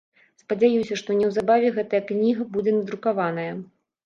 Спадзяюся, што неўзабаве гэтая кніга будзе надрукаваная.